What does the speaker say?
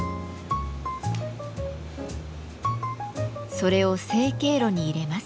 それを成形炉に入れます。